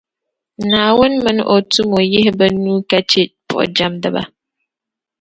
Naawuni mini O tumo yihi bɛ nuu ka chɛ buɣujɛmdiba.